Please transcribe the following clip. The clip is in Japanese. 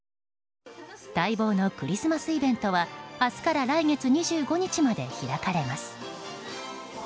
待望のクリスマスイベントは明日から来月２５日まで開かれます。